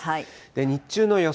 日中の予想